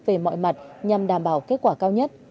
về mọi mặt nhằm đảm bảo kết quả cao nhất